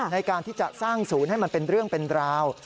ในการที่จะสร้างศูนย์ให้มันเป็นเรื่องเป็นราว